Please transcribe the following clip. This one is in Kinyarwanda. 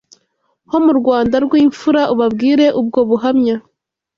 Ho mu Rwanda rw’imfura Ubabwire ubwo buhamya